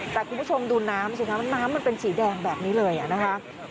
แต่คุณผู้ชมดูน้ำสิคะน้ำมันเป็นสีแดงแบบนี้เลยนะคะ